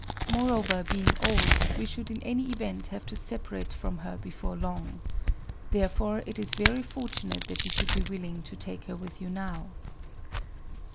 Moreover, being old, we should in any event have to separate from her before long. Therefore it is very fortunate that you should be willing to take her with you now."